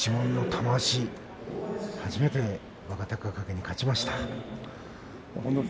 玉鷲は初めて若隆景に勝ちました。